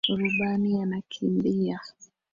Rubani anakimbia